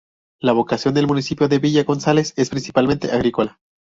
La vocación del municipio de Villa González es principalmente agrícola.